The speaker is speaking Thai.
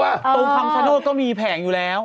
ตรงทางเข็มสะดวกก็มีแผงอยู่แล้ว